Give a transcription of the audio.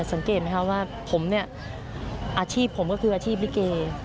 สังเกตไหมครับว่าผมเนี่ยอาชีพผมก็คืออาชีพลิเก